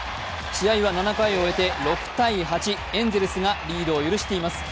試合は７回を終えて６−８エンゼルスがリードを許しています。